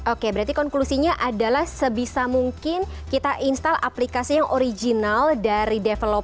oke berarti konklusinya adalah sebisa mungkin kita install aplikasi yang original dari developer yang sudah ada